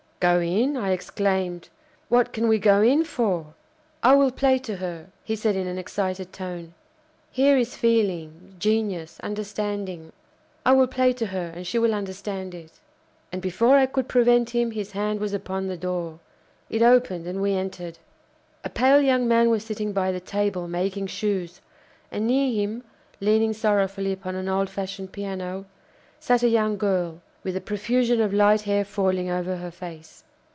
"Go in!" I exclaimed. "What can we go in for?" "I will play to her," he said, in an excited tone. "Here is feeling genius understanding! I will play to her, and she will understand it." And before I could prevent him his hand was upon the door. It opened and we entered. A pale young man was sitting by the table, making shoes, and near him, leaning sorrowfully upon an old fashioned piano, sat a young girl, with a profusion of light hair falling over her face.